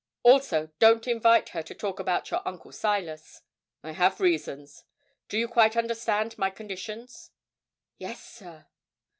Also, don't invite her to talk about your uncle Silas I have reasons. Do you quite understand my conditions?' 'Yes, sir.'